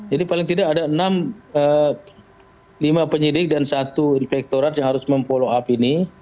paling tidak ada lima penyidik dan satu inspektorat yang harus memfollow up ini